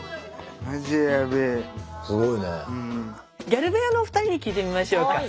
ギャル部屋のお二人に聞いてみましょうか。